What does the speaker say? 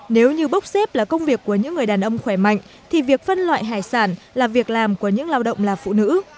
nếu như bốc xếp là công việc của những người đàn ông khỏe mạnh thì việc phân loại hải sản là việc làm của những lao động là phụ nữ